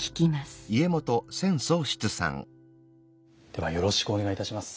ではよろしくお願いいたします。